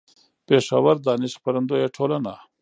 . پېښور: دانش خپرندويه ټولنه